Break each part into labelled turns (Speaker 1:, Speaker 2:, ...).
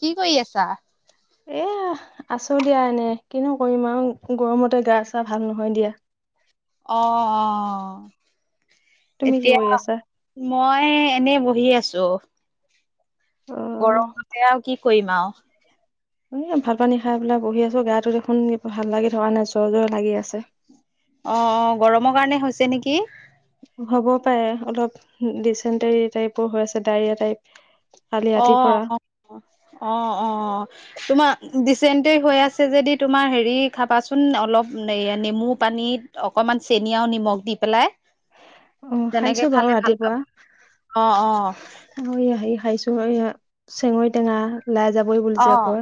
Speaker 1: কি কৰি আছা?
Speaker 2: এয়া আছো দিয়া এনে কিনো কৰিম আৰু গৰমতে গা চা ভাল নহয় দিয়া।
Speaker 1: অ, অ,
Speaker 2: তুমি কি
Speaker 1: এতিয়া
Speaker 2: কৰি আছা
Speaker 1: মই এনেই বহি আছো।
Speaker 2: অ
Speaker 1: গৰমতে আৰু কি কৰিম আৰু।
Speaker 2: এই ভাত পানী খাই পেলাই বহি আছো, গাটো দেখোন ভাল লাগি থকা নাই জ্বৰ-জ্বৰ লাগি আছে।
Speaker 1: অ, অ, গৰমৰ কাৰণে হৈছে নেকি?
Speaker 2: হ'ব পাৰে, অলপ ডিচেণ্টাৰী টাইপৰ হৈ আছে ডাইৰীয়া টাইপ। কালি
Speaker 1: অ,
Speaker 2: ৰাতিৰ পৰা
Speaker 1: অ, অ, অ, তোমাৰ ডিচেণ্টিৰি হৈ আছে যদি তোমাৰ হেৰি খাবাচোন অলপ নেমু পানী, অকমান চেনি আৰু নিমখ দি পেলাই।
Speaker 2: অ,
Speaker 1: তেনেকে
Speaker 2: খাইছো বাৰু
Speaker 1: খালে ভাল পাব
Speaker 2: ৰাতিপুৱা।
Speaker 1: অ অ
Speaker 2: সে আহ, ই আহায় চ চেঙৈ তে। লাই যাবই বুলি
Speaker 1: অ
Speaker 2: যে আকৌ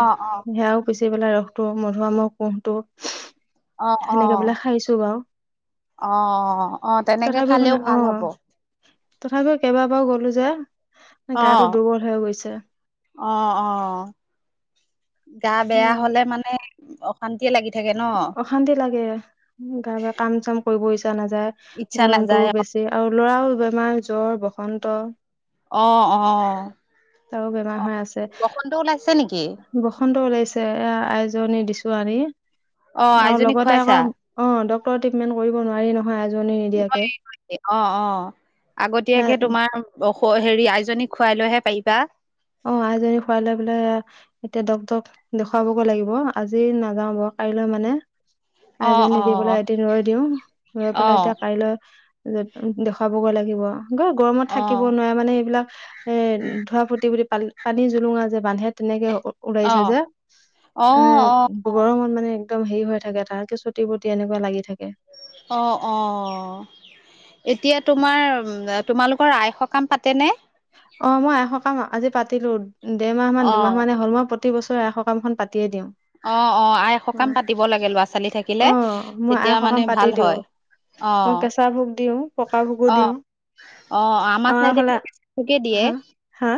Speaker 1: অ অ
Speaker 2: সেয়াও। পুচি পেলাই ৰসটো মধুআমৰ কুহটো।
Speaker 1: অ, অ, অ, অ, অ, তেনেকে
Speaker 2: তথাপিও
Speaker 1: খালেও
Speaker 2: মানে অ
Speaker 1: ভাল হব।
Speaker 2: তথাপিও কেইবাবাৰো গ'লো যে
Speaker 1: অ
Speaker 2: গাটো দুৰ্বল হৈ গৈছে।
Speaker 1: অ, অ, গা বেয়া
Speaker 2: উম,
Speaker 1: হলে মানে শান্তিয়ে লাগি থাকে ন।
Speaker 2: অশান্তি লাগে গা বা কাম চাম কৰিব ইচ্ছা নাযায়
Speaker 1: ইচ্ছা নাযায়
Speaker 2: গৰমতটো বেছি। আৰু ল'ৰাও বেমাৰ জ্বৰ বসন্ত।
Speaker 1: অ, অ,
Speaker 2: তাৰো বেমাৰ
Speaker 1: অ,
Speaker 2: হৈ আছে
Speaker 1: বসন্ত ওলাইছে নেকি?
Speaker 2: বসন্ত ওলাইছে এ আইজনী দিছো আনি
Speaker 1: অ
Speaker 2: আৰু
Speaker 1: আইজনীক
Speaker 2: লগতে
Speaker 1: খুৱাইছা
Speaker 2: আকৌ অ, ডক্টৰ ট্ৰিটমেণ্ট কৰিব নোৱাৰি ন। হয় এজনী,
Speaker 1: ন অ, অ, আগতীয়াকে তোমাৰ, অ, হেৰি আইজনী খুৱাই লৈহে পাৰিবা।
Speaker 2: অ, আইজনিক খুৱাই লৈ পিলে এতিয়া ডক্টৰক দেখুৱাবগে লাগিব আজি নাযাও বাৰু কাইলৈ মানে
Speaker 1: অ
Speaker 2: আইজনী
Speaker 1: অ
Speaker 2: দি পেলাই এদিন ৰৈ দিওঁ ৰৈ
Speaker 1: অ
Speaker 2: পেলাই এতিয়া কাইলৈ, দেখুৱাবগৈ লাগিব গ গৰমত
Speaker 1: অ
Speaker 2: থাকিব নোৱাৰে মানে এইবিলাক এ ধোৱা ফু্তি বুলি প পানীত জুলুঙা যে বান্ধে তেনেকে
Speaker 1: অ
Speaker 2: উওৰাইছে যে
Speaker 1: অ
Speaker 2: উম, বৰ সমত মানে একদম হেৰি হৈ থাকে তাৰকে চুটি বটি এনেকুৱা লাগি থাকে।
Speaker 1: অ, অ, এতিয়া তোমাৰ তোমালোকৰ আয় সকাম পাতেনে?
Speaker 2: অ, মই সকাম আজি পাতিলো দেৰ মাহ মান
Speaker 1: অ
Speaker 2: দুমাহ মানে হ'ল। মই প্ৰতি বছৰে আই সকামখন পাতিয়ে দিওঁ।
Speaker 1: অ, অ, আই এ
Speaker 2: অ
Speaker 1: সকাম পাতিব লাগে লৰা ছোৱালী
Speaker 2: অ
Speaker 1: থাকিলে
Speaker 2: মই আই
Speaker 1: তেতিয়া মানে
Speaker 2: সকাম পাতি
Speaker 1: ভাল
Speaker 2: দিওঁ
Speaker 1: হয়। অ
Speaker 2: মই কেঁচা ভোগ দিওঁ, পকা ভোগো
Speaker 1: অ
Speaker 2: দিওঁ।
Speaker 1: অ, আমাৰ চাইড কেঁচা ভোকে দিয়ে
Speaker 2: হা হা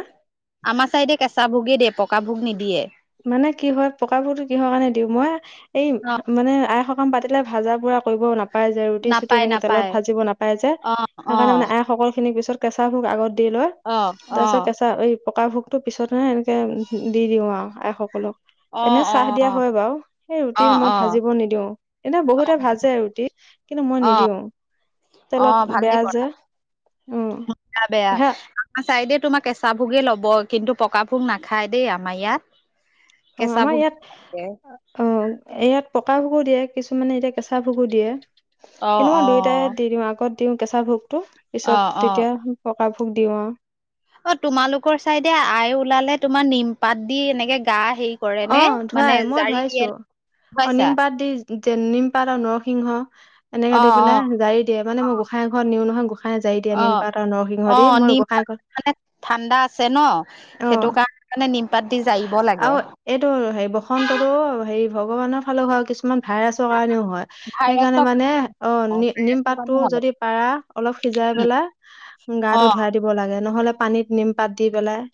Speaker 1: আমাৰ চাইদে কেঁচা ভোগে দিয়ে, পকা ভোগ নিদিয়ে।
Speaker 2: মানে কি হয় পকাবোৰতো কিহৰ কাৰণে দিওঁ মই এই
Speaker 1: অ
Speaker 2: মানে আই, পাতিলে ভাজা পুৰা কৰিব নাপ পাই যে ৰুটি চুটি
Speaker 1: নাপায়
Speaker 2: এনেকে তেলত
Speaker 1: নাপায়
Speaker 2: ভাজিব নাপায়াই যে
Speaker 1: অ অ
Speaker 2: সেইকাৰণোনে আই সসকল খিনিক পিছত, কেঁচা ভোগ আগত দি লয়,
Speaker 1: অ অ
Speaker 2: তাৰ পিছত কেঁচা এই পকা ভোগ তটো পিছতহে এ দি দিওঁ আৰু আইসকলক।
Speaker 1: অ
Speaker 2: এনে চাহ দিয়া হয় বাৰু সেই
Speaker 1: অ অ
Speaker 2: ৰুটি মই ভাজিব
Speaker 1: অ
Speaker 2: নিদিও। এনে বহুতে ভাজে ৰুটি কিন্তু মই
Speaker 1: অ
Speaker 2: নিদিওঁ তেলত বেয়া যে। উম
Speaker 1: গা বেয়া
Speaker 2: সেয়া
Speaker 1: চাই দেই তোমাৰ কেঁচা ভোগে লব কিন্তু পকা ভোগ নাখায় দেই আমাৰ ইয়াত।
Speaker 2: অ,
Speaker 1: কেঁচা
Speaker 2: আমাৰ
Speaker 1: ভোগ
Speaker 2: ইয়াত
Speaker 1: থাকে।
Speaker 2: অ, ইয়াত পকা ভোগো দিয়ে কিছুমানে এতিয়া কেঁচা ভুগো দিয়ে।
Speaker 1: অ
Speaker 2: কেনেকুৱা
Speaker 1: অ
Speaker 2: দুয়োটাই দি দিওঁ আগত, দিওঁ কেঁচা ভোগটো
Speaker 1: অ
Speaker 2: পিছত
Speaker 1: অ
Speaker 2: তেতিয়া পকা ভোগ দিওঁ আৰু।
Speaker 1: অ, তোমালোকৰ চাইদে আই ওলালে তোমাৰ নিমপাত দি এনেকে তা হেৰি কৰে
Speaker 2: অ
Speaker 1: নে?
Speaker 2: ধুৱাই
Speaker 1: মানে
Speaker 2: মই
Speaker 1: জাৰি দিয়ে
Speaker 2: ধুৱাইছো
Speaker 1: গম
Speaker 2: অ
Speaker 1: পাইছা।
Speaker 2: নিম পাত দি যে নিম পাত আৰু নৰসিংহ এনেকে
Speaker 1: অ
Speaker 2: দি
Speaker 1: অ
Speaker 2: পেলাই জাৰি দিয় মানে মই গোঁসাই ঘৰত নিওঁ নহয় গোঁসা
Speaker 1: অ' অ' নিম
Speaker 2: গোঁসাই
Speaker 1: পাত
Speaker 2: ঘৰত
Speaker 1: মানে ঠাণ্ডা আছে ন
Speaker 2: অ
Speaker 1: সেইটো কাৰণে মানে নিমপাত দি জাৰিব
Speaker 2: আৰু
Speaker 1: লাগে।
Speaker 2: এইটো হেৰি বসন্ততো হেৰি ভগৱানৰ ফালে হয় কিছুমান ভাইৰাছৰ কাৰণেও হয়। সেইকাৰণে
Speaker 1: ভাইৰাছৰ
Speaker 2: মানে অ নি নিম
Speaker 1: ভাইৰাছৰ কাৰণে
Speaker 2: পাতটো
Speaker 1: হয়
Speaker 2: যদি পাৰা অলপ সিজাই পেলাই
Speaker 1: অ
Speaker 2: গাটো ধুৱাই দিব লাগে নহলে পানীত নিম পাত দি পেলাই।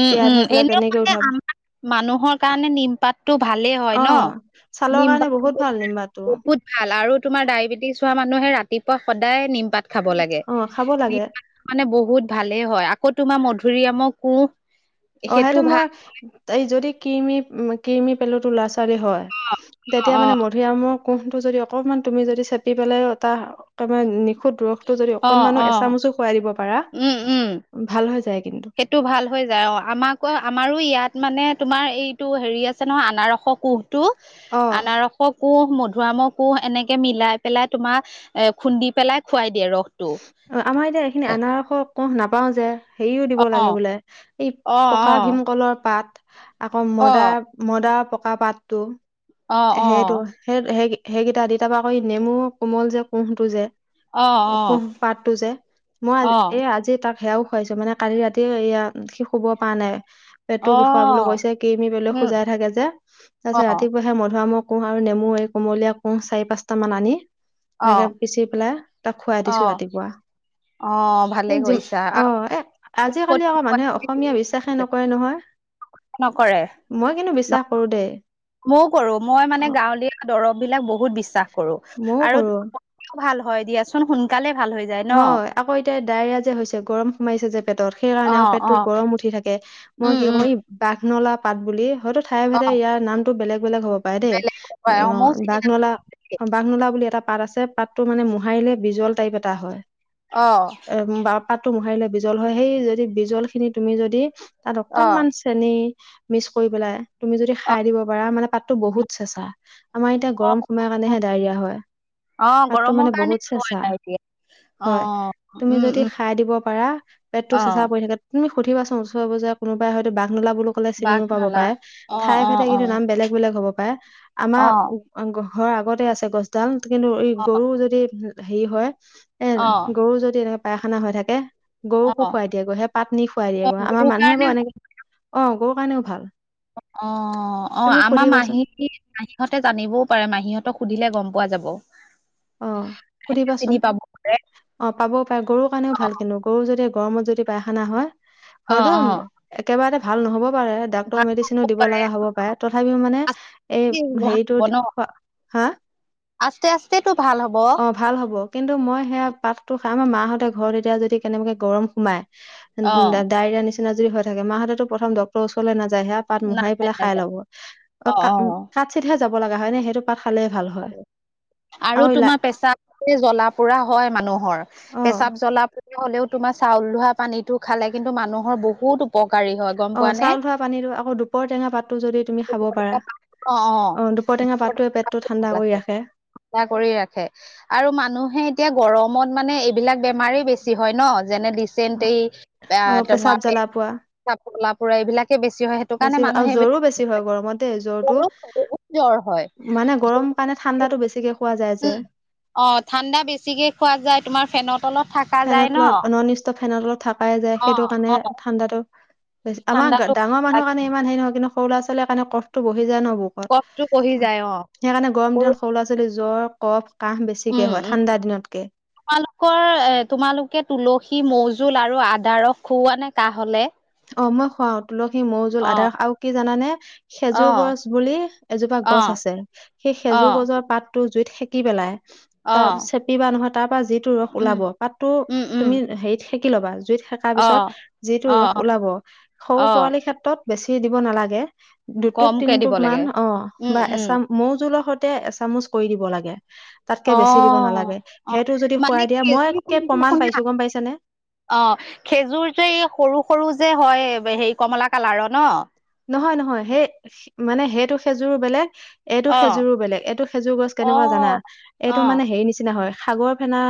Speaker 1: উম
Speaker 2: তিয়াই
Speaker 1: উম
Speaker 2: থৈ পেলাই
Speaker 1: এনেও
Speaker 2: তেনেকেও
Speaker 1: মানে
Speaker 2: ধুৱাব
Speaker 1: আমাৰ মানুহৰ কাৰণে নিমপাত টো ভালেই হয়
Speaker 2: অ
Speaker 1: ন
Speaker 2: ছালৰ
Speaker 1: নিম
Speaker 2: কাৰণে
Speaker 1: পাত
Speaker 2: বহুত
Speaker 1: টো
Speaker 2: ভাল
Speaker 1: মানে
Speaker 2: নিম্বাটো
Speaker 1: বহুত ভাল আৰু তোমাৰ ডায়েবেটিছ হোৱা মানুহে ৰাতিপুৱা সদায় নিমপাত খাব লাগে।
Speaker 2: অ খাব লাগে
Speaker 1: নিম পাত মানে বহুত ভালেই হয় আকৌ তোমাৰ মধুৰিআমৰ কোঁহ
Speaker 2: অ' সেইটো মই এই যদি কিমি কিমি পেলো তো ল'ৰা ছোৱালী হয় তেতিয়া
Speaker 1: অ
Speaker 2: মানে ম মধুৰিয়ামৰ কোঁহটো যদি অকণমান তুমি যদি চেপি পেলাই ত একেবাৰে নিখুঁত দৰসটো যদি
Speaker 1: অ অ
Speaker 2: অকনমানো
Speaker 1: অ
Speaker 2: এচামুচো খোৱাই দিব পাৰা ভাল হৈ যায় কিন্তু।
Speaker 1: এইটো ভাল হৈ যায় অ' আমাকো আমাৰো ইয়াত মানে তোমাৰ এইটো হেৰি আছে নহয় আনাৰস কোঁহ টো
Speaker 2: অ
Speaker 1: আনাৰসৰ কোঁহ মধুআমৰ কোঁহ এনেকে মিলাই পেলাই তোমাৰ এ খুন্দি পেলাই খুৱাই দিয়ে ৰসটো।
Speaker 2: অ' আমাৰ এতিয়া এইখিনি আনাৰস কোঁহ নাপাওঁ যে। হেৰিও দিব
Speaker 1: অ
Speaker 2: লাগে বোলে এই
Speaker 1: অ
Speaker 2: পকা ভীমকলৰ পাত আকৌ
Speaker 1: অ অ
Speaker 2: মদাৰ মদা পকা পাতটো
Speaker 1: অ
Speaker 2: সেইটো সেই সেই সেইকেইটা দি তাৰপৰা আকৌ নেমু কোমল যে কুঁহটো যে
Speaker 1: অ অ অ
Speaker 2: কোঁহ পাতটো যে মই
Speaker 1: অ
Speaker 2: এই আজি তাক সেয়াও খুৱাইছো মানে কালি ৰাতি এয়া সি শুব পৰা নাই পেটটো
Speaker 1: অ
Speaker 2: বিষুৱা বুলি কৈছে কিমি পেলোৱে
Speaker 1: উম
Speaker 2: খোজাই থাকে যে
Speaker 1: অ
Speaker 2: তাৰপিছত ৰাতিপুৱা সেই মধুৱামৰ কোঁহ আৰু নেমু এই কোমলীয়া কোঁহ চাৰি পাঁচটা মান আনি
Speaker 1: অ
Speaker 2: এনেকে পিচি পেলাই তাক খুৱাই
Speaker 1: অ
Speaker 2: দিছো
Speaker 1: অ ভালে
Speaker 2: ৰাতিপুৱাি
Speaker 1: কৰিছা
Speaker 2: অ' এ
Speaker 1: ঔষধ
Speaker 2: আজিকালি আকৌ মানুহে অসমীয়া বিশ্বাসে নকৰে নহয়।
Speaker 1: নকৰে
Speaker 2: মই কিন্তু বিশ্বাস কৰো দেই
Speaker 1: ময় কৰো মই
Speaker 2: অ
Speaker 1: মানে গাঁৱলীয়া দৰব বিলাক বহুত বিশ্বাস কৰো
Speaker 2: ময়ও
Speaker 1: আৰু
Speaker 2: কৰো
Speaker 1: ভাল হয় দিয়াচোন সোনকালে ভাল যায় ন।
Speaker 2: হয় আকৌ এতিয়া ডায়েৰিয়া যে হৈছে গৰম সোমাছে যে পেটত সেই
Speaker 1: অ
Speaker 2: কাৰণে আৰু
Speaker 1: অ
Speaker 2: পেটতটো গৰম উঠি থাকে মই
Speaker 1: উম
Speaker 2: কি
Speaker 1: উম
Speaker 2: কৰো ই বাঘনলা পাত বুলি হয়টো ঠাই
Speaker 1: অ
Speaker 2: ভেদে ইয়াৰ নামটো বেলেগ বেলেগ হ'ব পাৰে দেই
Speaker 1: বেলেগ ময়ো চিনি
Speaker 2: বাঘনলা
Speaker 1: নাপাওঁ
Speaker 2: বাঘনলা বুলি এটা পাত আছে পাতটো মানে মোহাৰিলে বিজল টাইপ এটা হয়
Speaker 1: অ'।
Speaker 2: এ পাতটো মোহাৰিলে বিজল হয়। সেই যদি বিজল খিনি তুমি যদি তাত
Speaker 1: অ
Speaker 2: অকনমান চেনি মিক্স কৰি পেলাই তুমি যদি
Speaker 1: অ
Speaker 2: খাই দিব পাৰা। মানে পা বহুত চেঁচা আমাৰ এতিয়া গৰম সোমাই
Speaker 1: অ
Speaker 2: কাৰণেহে ডায়ৰিয়া হয়।
Speaker 1: অ
Speaker 2: পাতটো
Speaker 1: গৰমৰ
Speaker 2: মানে
Speaker 1: কাৰণে
Speaker 2: বহুত
Speaker 1: হোৱা
Speaker 2: চেঁচা।
Speaker 1: নাই এতিয়া অ
Speaker 2: হয়। তুমি
Speaker 1: উম
Speaker 2: যদি
Speaker 1: উম
Speaker 2: খাই দিব পাৰা পেটতটো
Speaker 1: অ
Speaker 2: চেঁচা পৰি থাকে। তুমি সুধিবা চোন ওচৰে পাজৰে কোনোবাই হয়তো বাঘনলা বুলিও ক'লে
Speaker 1: বাঘ
Speaker 2: চিনিও পাব
Speaker 1: নলা
Speaker 2: পাৰে,
Speaker 1: অ
Speaker 2: ঠাই
Speaker 1: অ
Speaker 2: ভেদে
Speaker 1: অ অ
Speaker 2: কিন্তু নাম বেলেগ বেলেগ হ'ব পাৰে। আমাৰ ঘৰ আগতে আছে গছডাল কিন্তু এই
Speaker 1: অ অ
Speaker 2: গৰু যদি হেৰি হয় এ, গৰু যদি এনেকে পায়খানা হৈ থাকে।
Speaker 1: অ
Speaker 2: গৰুকো খুৱাই দিয়েগৈ সেই পাত নি খুৱাই
Speaker 1: অ
Speaker 2: দিয়েগৈ আমাৰ
Speaker 1: গৰুৰ
Speaker 2: মানুহে
Speaker 1: কাৰণে
Speaker 2: বাৰু এনেকে, অ' গৰুৰ কাৰণেও ভাল।
Speaker 1: অ' অ'
Speaker 2: তুমি
Speaker 1: আমাৰ
Speaker 2: সুধিবাচোন
Speaker 1: মাহী মাহীহঁতে জানিবও পাৰে মাহীহঁতক সুধিলে গম পোৱা যাব।
Speaker 2: অ'
Speaker 1: চিনি
Speaker 2: সুধিবাচোন।
Speaker 1: পাব পাৰে
Speaker 2: অ' পাবও পাৰে গৰুৰ কাৰণেও ভাল কিন্তু, গৰু যদি গৰমত যদি পায়খানা হয়
Speaker 1: অ
Speaker 2: হয়তো
Speaker 1: অ
Speaker 2: একেবাৰেতে ভাল নহ'ব পাৰে। ডাক্টৰ
Speaker 1: ভাল
Speaker 2: মেডিচিনো
Speaker 1: হ'ব
Speaker 2: দিব
Speaker 1: পাৰে
Speaker 2: লগা হ'ব পাৰে। তথাপিও মানে
Speaker 1: আছে
Speaker 2: এই
Speaker 1: কি ভাল হ'ব ন
Speaker 2: হেৰিতটো, হা?
Speaker 1: আস্তে আস্তেটো ভাল হ'ব।
Speaker 2: অ ভাল হ'ব। কিন্তু মই সেয়া পাতটো খাই মই মাহঁতে ঘৰত এতিয়া যদি কেনেবাকে গৰম সোমাই। উ-ডায়েৰিয়া নিচিনা যদি হৈ থাকে মাহঁতে প্ৰথম ডাক্তৰ ওচৰলৈ নাযায়, হেয়া পাত মোহাৰি
Speaker 1: নাযায়
Speaker 2: পেলাই খাই
Speaker 1: নাযায়
Speaker 2: ল'ব।
Speaker 1: অ
Speaker 2: অ'-কা-উমা কাতচিতহে যাব লগা হয় নে সেইটো পাত খালেই ভাল
Speaker 1: অ
Speaker 2: হয়।
Speaker 1: আৰু
Speaker 2: আকৌ ইলা
Speaker 1: তোমাৰ প্ৰেচাব জ্বলা পোৰা হয় মানুহৰ
Speaker 2: অ
Speaker 1: প্ৰেচাব জ্বলা পোৰা হ'লেও তোমাৰ চাউল ধোৱা পানীতটো খালে কিন্তু মানুহৰ বহুত উপ
Speaker 2: অ', চাউল ধোৱা পানীটো আকৌ দুপৰ টেঙা পাতটো যদি তুমি খাব পাৰা। অ', দুপৰটেঙা পাতটোৱে পেটটো ঠাণ্ডা কৰি ৰাখে।
Speaker 1: চাফা কৰি ৰাখে। আৰু মানুহে এতিয়া গৰমত মানে এইবিলাক বেমাৰেই বেছি হয় ন। যেনে ডিচেণ্ট এ
Speaker 2: অ পেচাব
Speaker 1: তোমাৰ
Speaker 2: জ্বালা পোৱা
Speaker 1: প্ৰেচাব জ্বলা পোৰা এইবিলাকে বেছি হয়। কাৰণে
Speaker 2: বেছি হয় আৰু
Speaker 1: মানুহে
Speaker 2: জ্বৰো
Speaker 1: এইবিলাক
Speaker 2: বেছি হয় গৰমতে জ্বৰটো।
Speaker 1: বহুত জ্বৰ হয়
Speaker 2: মানে গৰম কাৰণে ঠাণ্ডাতো বেছিকে খোৱা যায় যে
Speaker 1: উম, অ' ঠাণ্ডা বেছিকে খোৱা যায়, তোমাৰ ফেনত তলত থকা যায় ন।
Speaker 2: ত' ফেনৰ তলত থাক যায়
Speaker 1: অ
Speaker 2: সেইটো কাৰণে
Speaker 1: অ
Speaker 2: ঠাণ্ডাটো বেছি, আমাৰ
Speaker 1: ঠাণ্ডাতো
Speaker 2: ডাঙৰ মানুহ কাৰণে ইমান হেৰি নহয়। কিন্তু সৰু ল'ৰা ছোৱালীৰ কাৰণে ক'ফটো বহি যায় ন বুক
Speaker 1: কফটো
Speaker 2: ত
Speaker 1: বহি যায় অ
Speaker 2: সেইকাৰণে গৰম দিনত সৰু ল'ৰা ছোৱালী জ্বৰ ক'ফ কাহ বেছিকে
Speaker 1: উম
Speaker 2: হয়
Speaker 1: উম
Speaker 2: ঠাণ্ডা দিনতকৈ।
Speaker 1: তোমালোকৰ এ তোমালোকে তুলসী মৌ জোল আৰু আদা ৰস খোওঁৱা নে কাঁহ হ'লে?
Speaker 2: অ', মই খোৱাওঁ তুলসী মৌ জোল
Speaker 1: অ
Speaker 2: আদাৰ আৰু কি জানা নে?
Speaker 1: অ
Speaker 2: খেজুৰ গছ বুলি এজোপা
Speaker 1: অ
Speaker 2: গছ আছে। সেই
Speaker 1: অ
Speaker 2: খেজুৰ গছৰ পাত টো জুইত সেকি পেলাই
Speaker 1: অ
Speaker 2: তাৰ চেপিবা নহয়, তাৰ পৰা যিটো ৰস
Speaker 1: উম
Speaker 2: ওলাব পাতো
Speaker 1: উম উম
Speaker 2: তুমি হেৰিত সেকি ল'বা জুইত
Speaker 1: অ
Speaker 2: তাৰপিছত যিটো ৰস
Speaker 1: অ
Speaker 2: ওলাব
Speaker 1: অ
Speaker 2: সৰু পোৱালি ক্ষেত্ৰত বেছি দিব নালাগে। দুটোপ
Speaker 1: কমকে দিব
Speaker 2: তিনটোপ
Speaker 1: লাগে
Speaker 2: মান
Speaker 1: উম
Speaker 2: অ' বা
Speaker 1: উম
Speaker 2: এচাম মৌ জোলৰ সৈতে এচামুচ কৰি দিব লাগে।
Speaker 1: অ
Speaker 2: তাতকে বেছি দিব নালাগে।
Speaker 1: অ
Speaker 2: সেইটো যদি
Speaker 1: মানে
Speaker 2: খোৱাই দিয়া মই
Speaker 1: খেজুৰ
Speaker 2: একে
Speaker 1: কোনটো
Speaker 2: প্ৰমাণ
Speaker 1: শুনা
Speaker 2: পাইছোঁ, গম পাইছে নে!
Speaker 1: অ', খেজুৰ যে এই সৰু সৰু যে হয় হেৰি কমলা কালাৰৰ ন?
Speaker 2: নহয়, নহয় সেই মানে সেইটো খেজুৰো বেলেগ। এইটো
Speaker 1: অ',
Speaker 2: খেজুৰো বেলেগ, এইটো খেজুৰ গছ
Speaker 1: অ',
Speaker 2: কেনেকুৱা জানা? এইটো
Speaker 1: অ',
Speaker 2: মানে হেৰি নিচিনা হয় সাগৰ ফেনা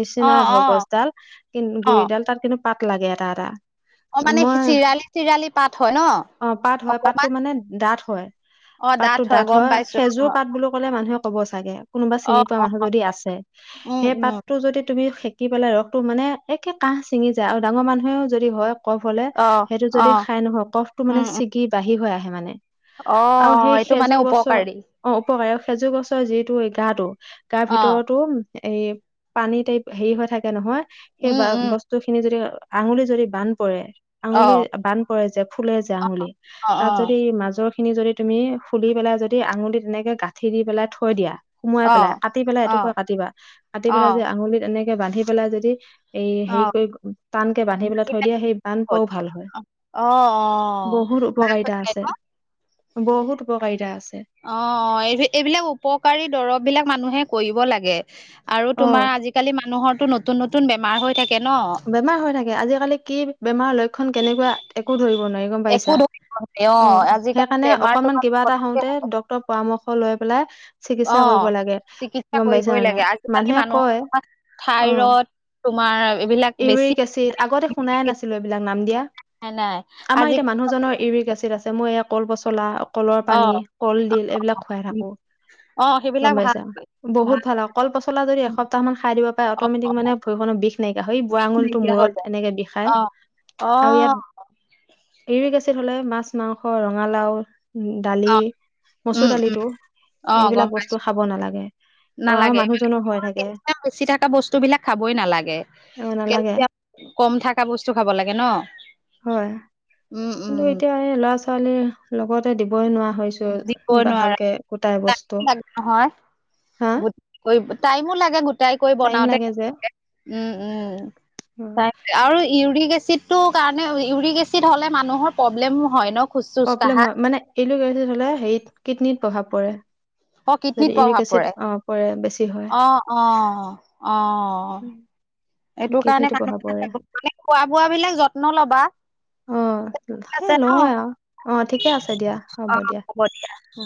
Speaker 2: নিচিনা
Speaker 1: অ',
Speaker 2: ধৰ
Speaker 1: অ',
Speaker 2: গছডাল কি
Speaker 1: অ',
Speaker 2: গুৰিডাল তাত কিন্তু পাত লাগে এটা এটা।
Speaker 1: অ', মানে
Speaker 2: মই
Speaker 1: চিৰালি চিৰালি পাঠ হয় ন?
Speaker 2: অ', পাত হয়। পাতটো
Speaker 1: অকমান
Speaker 2: মানে ডাঠ হয়
Speaker 1: অ',
Speaker 2: পাতটো মানে ডাঠ
Speaker 1: গম
Speaker 2: হয়।
Speaker 1: পাইছো
Speaker 2: খেজুৰ
Speaker 1: অ',
Speaker 2: পাত বুলি ক'লে মানুহে ক'ব চাগে, কোনোবা চিনি
Speaker 1: অ',
Speaker 2: পোৱা
Speaker 1: অ',
Speaker 2: মানুহ যদি আছে।
Speaker 1: উম,
Speaker 2: সেই
Speaker 1: উম,
Speaker 2: পাতটো যদি তুমি সেকি পেলে ৰসটো মানে একে কাঁহ ছিঙি যায় আৰু ডাঙৰ মানুহেও যদি হয়। ক'ফ হ'লে
Speaker 1: অ',
Speaker 2: সেইটো যদি
Speaker 1: অ',
Speaker 2: খাই নহয় ক'ফটো মানে
Speaker 1: উম, উম,
Speaker 2: ছিগি বাঢ়ি হৈ আহে মানে।
Speaker 1: অ', অ
Speaker 2: আৰু সেই
Speaker 1: এইটো মানে
Speaker 2: খেজুৰ গছৰ
Speaker 1: উপকাৰী
Speaker 2: অ', উপকাৰী খেজুৰ গছৰ যিটো এই গাটো গাৰ
Speaker 1: অ',
Speaker 2: ভিতৰতো এই পানী টাইপ হেৰি হৈ থাকে নহয় সেই
Speaker 1: উম,
Speaker 2: বা
Speaker 1: উম,
Speaker 2: বস্তু বস্তুখিনি যদি আঙুলি যদি বান পৰে আঙুলি
Speaker 1: অ',
Speaker 2: বান পৰে যে ফুলে যে আঙুলি।
Speaker 1: অ',
Speaker 2: তাত
Speaker 1: অ',
Speaker 2: যদি মাজৰ খিনি যদি তুমি খোলি পেলাই যদি আঙুলি তেনেকে গাঁঠি দি পেলাই থৈ দিয়া। সোমোৱাই পেলাই
Speaker 1: অ',
Speaker 2: কাটি পেলাই এটোকোৰা
Speaker 1: অ',
Speaker 2: কাটিবা কাটি পেলাই যে
Speaker 1: অ',
Speaker 2: আঙুলিত এনেকে বান্ধি পেলাই যদি এই হেৰি
Speaker 1: অ',
Speaker 2: কৰি টানকে বান্ধি পেলাই
Speaker 1: বাকী
Speaker 2: থৈ দিয়ে সেই বান
Speaker 1: হ'ল
Speaker 2: পৰাওঁ ভাল হয়।
Speaker 1: অ', অ'।
Speaker 2: বহুত উপকাৰিতা আছে, বহুত উপকাৰিতা আছে।
Speaker 1: অ', এই এইবিলাক উপকাৰী দ্ৰৱবিলাক মানুহে কৰিব লাগে। আৰু
Speaker 2: অ
Speaker 1: তোমাৰ আজিকালি মানুহৰো নতুন নতুন বেমাৰ হৈ থাকে ন।
Speaker 2: বেমাৰ হৈ থাকে। আজিকালি কি বেমাৰ লয় খন কেনেকুৱা একো ধৰিব নোৱাৰি গম
Speaker 1: একো
Speaker 2: পাইছা?
Speaker 1: ধৰি
Speaker 2: অ'
Speaker 1: আজিকালি
Speaker 2: সেইকাৰণে
Speaker 1: বেমাৰ
Speaker 2: অকনমান
Speaker 1: তোমাৰ
Speaker 2: কিবা টা
Speaker 1: পতককে
Speaker 2: হওঁতে ডক্তৰৰ পৰামৰ্শ লৈ পেলাই
Speaker 1: অ
Speaker 2: চিকিৎসা কৰিব লাগে।
Speaker 1: চিকিৎসা
Speaker 2: গম
Speaker 1: কৰিবই
Speaker 2: পাইছানে
Speaker 1: লাগে
Speaker 2: নাই,
Speaker 1: আজিকালি
Speaker 2: মানুহে কয়
Speaker 1: মানুহৰ
Speaker 2: অ'
Speaker 1: থাইৰড তোমাৰ এইবিলাক বেছি
Speaker 2: ইউৰিক এচিড আগতে শুনায়ে
Speaker 1: নাই
Speaker 2: নাছিলো এইবিলাক নাম দিয়া।
Speaker 1: নাই
Speaker 2: আমাৰ
Speaker 1: আজি
Speaker 2: এতিয়া মানুহজনৰ ইউৰিক এচিড আছে। মই এয়া কল পচলা কলৰ
Speaker 1: অ
Speaker 2: পানী, কলডিল, এইবিলাক খোৱাই থাকো।
Speaker 1: অ',
Speaker 2: গম
Speaker 1: সেইবিলাক ভাল।
Speaker 2: পাইছা বহুত ভাল আৰু কল পচলা যদি এসপ্তাহ মান খাই দিব পাৰে।
Speaker 1: অ
Speaker 2: অট'মেটিক মানে ভয়খনৰ বিষ নাইকি য়া হয় বুঢ়া আঙুলটো
Speaker 1: নাইকিয়া হৈ
Speaker 2: মূৰত
Speaker 1: যায়
Speaker 2: এনেকে বিষাই
Speaker 1: অ অ
Speaker 2: আৰু ইয়াত ইউৰিক এচিড হ'লে মাছ মাংস ৰঙালাও দালি
Speaker 1: অ
Speaker 2: মচুৰ
Speaker 1: উম উম
Speaker 2: দালিটো।
Speaker 1: অ
Speaker 2: এইবিলাক
Speaker 1: গম পাই
Speaker 2: বস্তু খাব নালাগে। অ' আমাৰ মানুহ জনৰ হৈ থাকে।
Speaker 1: চি থকা বস্তুবিলাক খাবই নালাগে।
Speaker 2: অ নালাগে
Speaker 1: কেলচিয়াম কম থকা বস্তু খাব লাগে ন!
Speaker 2: হয়
Speaker 1: উম
Speaker 2: কিন্তু
Speaker 1: উম
Speaker 2: এতিয়া এই ল'ৰা ছোৱালীৰ লগতে দিবই নোৱাৰা হৈছো। টো
Speaker 1: দিবই
Speaker 2: বা
Speaker 1: নোৱাৰা
Speaker 2: ভালকে গোটাই
Speaker 1: টাইম
Speaker 2: বস্তু, হা?
Speaker 1: কৰিব টাইমো লাগে গ টাই কৰি
Speaker 2: টাইম
Speaker 1: বনাওঁতে।
Speaker 2: লাগে যে
Speaker 1: উম, উম আৰু ইউৰিক এচিড টো কাৰণে ইউৰিক এচিড হ'লে মানুহৰ প্ৰব্লেম হয় ন? খোজ চোজ
Speaker 2: প্ৰব্লেম
Speaker 1: কাঢ়া
Speaker 2: হয়। মানে ইউৰিক এচিড হ'লে হেৰিত কিডনিত প্ৰভাৱ পৰে।
Speaker 1: অ',
Speaker 2: যদি
Speaker 1: কিডনিত
Speaker 2: ইউৰিক
Speaker 1: প্ৰভাৱ
Speaker 2: এচিড
Speaker 1: পৰে।
Speaker 2: অ', পৰে বেছি হয়।
Speaker 1: অ', অ', অ', এইটো কাৰণে
Speaker 2: কিডনীটো প্ৰভাৱ পৰে
Speaker 1: [unintelligible] মানে খোৱা বোৱাবিলাক যত্ন ল'বা।
Speaker 2: অ',
Speaker 1: ঠিক
Speaker 2: সেই
Speaker 1: আছে ন
Speaker 2: লওঁৱে আৰু অ' ঠিকে আছে দিয়া
Speaker 1: অ
Speaker 2: হ'ব দিয়া।
Speaker 1: হ'ব দিয়া।
Speaker 2: অ